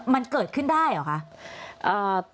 มันเกิดขึ้นได้เหรอคะ